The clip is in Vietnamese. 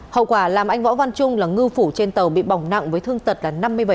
hậu quả làm anh võ văn trung là ngư phủ trên tàu bị bỏng nặng với thương tật là năm mươi bảy